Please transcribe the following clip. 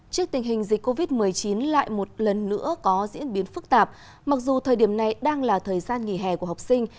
trước tình hình dịch covid một mươi chín lại một lần nữa có diễn biến phức tạp mặc dù thời điểm này đang là thời gian nghỉ hè của học sinh